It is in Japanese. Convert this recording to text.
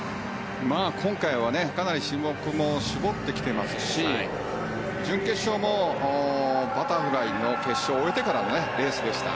今回はかなり種目も絞ってきていますし準決勝もバタフライの決勝を終えてからのレースでした。